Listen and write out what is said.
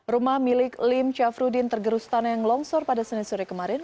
rumah milik lim ciafrudin tergerustan yang longsor pada senin sore kemarin